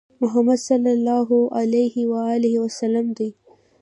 محمد صلی الله عليه وسلم د الله رسول دی